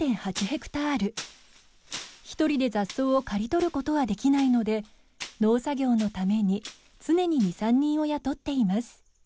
１人で雑草を刈り取ることはできないので農作業のために常に２３人を雇っています。